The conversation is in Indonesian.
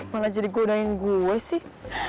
malah jadi godain gue sih